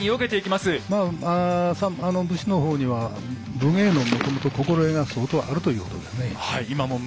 まあ武士の方には武芸のもともと心得が相当あるということですね。